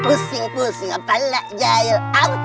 pusing pusing apalah jahil